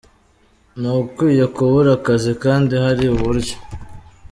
Ntawe ukwiye kubura akazi kandi hari uburyo